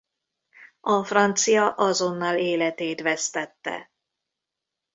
A francia azonnal életét vesztette.